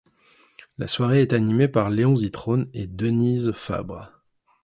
La soirée est animée par Léon Zitrone et Denise Fabre.